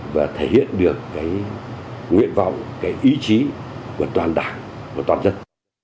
và thể hiện được cái nguyện vọng cái ý chí của toàn đảng của toàn dân